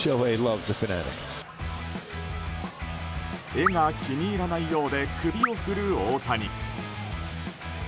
絵が気に入らないようで首を振る大谷。